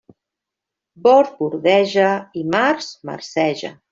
Bord bordeja i març marceja.